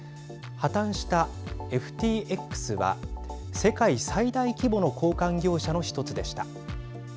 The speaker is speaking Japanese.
破綻したＦＴＸは世界最大規模の交換業者の１つでした。